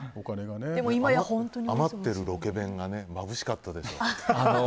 余ってるロケ弁がまぶしかったよね。